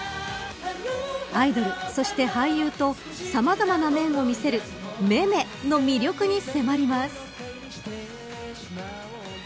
アイドル、そして俳優とさまざまな面を見せるめめの魅力に迫ります。